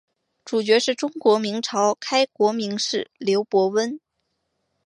主角是中国明朝开国名士刘伯温。